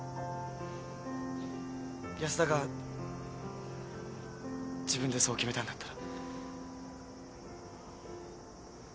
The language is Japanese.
安田が自分でそう決めたんだったら。